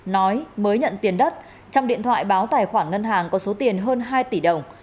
nói mới nhận tiền đất trong điện thoại báo tài khoản ngân hàng có số tiền hơn hai tỷ đồng